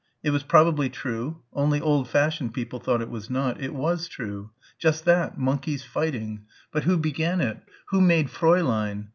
It was probably true ... only old fashioned people thought it was not. It was true. Just that monkeys fighting. But who began it? Who made Fräulein?